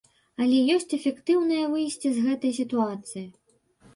Але ёсць эфектыўнае выйсце з гэтай сітуацыі!